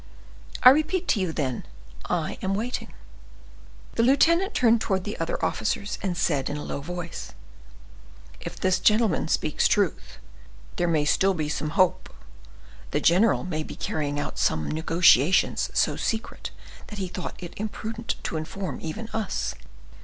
I repeat to you, then, I am waiting." The lieutenant turned towards the other officers, and said, in a low voice: "If this gentleman speaks truth, there may still be some hope. The general may be carrying out some negotiations so secret, that he thought it imprudent to inform even us.